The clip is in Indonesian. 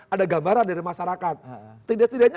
ada gambaran dari masyarakat tidak setidaknya